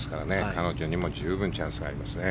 彼女にも十分チャンスがありますね。